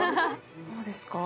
どうですか？